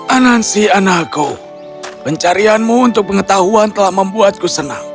anansi anakku pencarianmu untuk pengetahuan telah membuatku senang